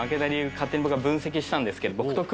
勝手に僕が分析したんですけど